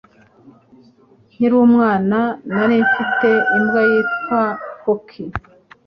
Nkiri umwana, nari mfite imbwa yitwa Cook.